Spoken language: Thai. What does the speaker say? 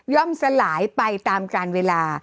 สลายไปตามการเวลา